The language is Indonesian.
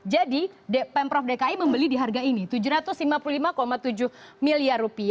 jadi pemprov dki membeli di harga ini rp tujuh ratus lima puluh lima tujuh miliar